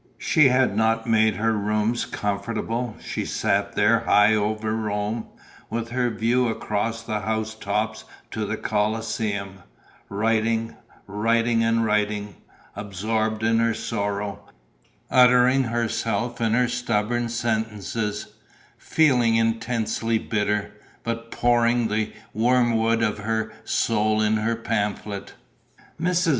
She had not made her rooms comfortable; she sat there, high up over Rome, with her view across the house tops to the Colosseum, writing, writing and writing, absorbed in her sorrow, uttering herself in her stubborn sentences, feeling intensely bitter, but pouring the wormwood of her soul into her pamphlet. Mrs.